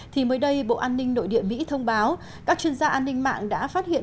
thì mới đây bộ an ninh nội địa mỹ thông báo các chuyên gia an ninh mạng đã phát hiện